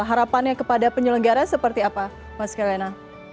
harapannya kepada penyelenggara seperti apa mas kelena